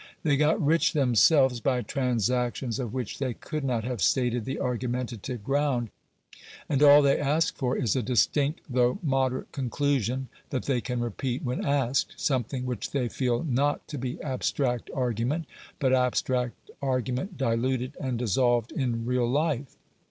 They got rich themselves by transactions of which they could not have stated the argumentative ground and all they ask for is a distinct though moderate conclusion, that they can repeat when asked; something which they feel NOT to be abstract argument, but abstract argument diluted and dissolved in real life.